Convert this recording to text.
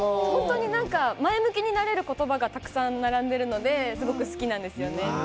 前向きになれる言葉がたくさん並んでるので、すごく好きなんですよね。